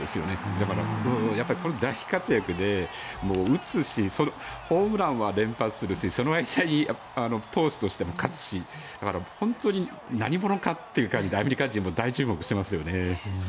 だから、やっぱり大活躍で打つしホームランは連発するしその間に投手としても勝つし本当に何者かという感じでアメリカ人も大注目していますよね。